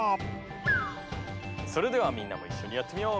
それではみんなもいっしょにやってみよう。